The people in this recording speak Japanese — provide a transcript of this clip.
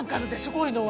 こういうのは。